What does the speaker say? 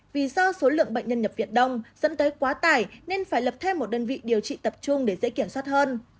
vì do số lượng bệnh nhân nhập viện đông dẫn tới quá tải nên phải lập thêm một đơn vị điều trị tập trung để dễ kiểm soát hơn